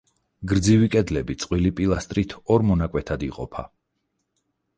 გრძივი კედლები წყვილი პილასტრით ორ მონაკვეთად იყოფა.